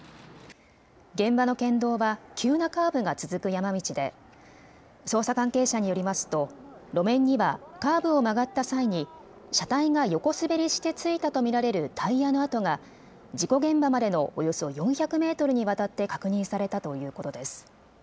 現場の県道は急なカーブが続く山道で捜査関係者によりますと路面にはカーブを曲がった際に車体が横滑りしてついたと見られるタイヤの跡が事故現場までのおよそ４００メートルにわたって確認されたということです。